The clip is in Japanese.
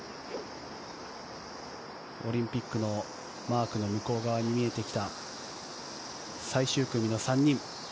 オリンピックのマークの向こう側に見えてきた最終組の３人。